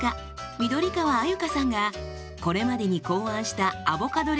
緑川鮎香さんがこれまでに考案したアボカドレシピ